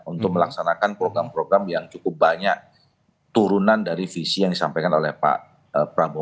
untuk melaksanakan program program yang cukup banyak turunan dari visi yang disampaikan oleh pak prabowo